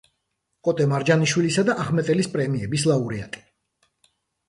კოტე მარჯანიშვილისა და ახმეტელის პრემიების ლაურეატი.